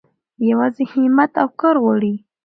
يوازې هيمت او کار غواړي.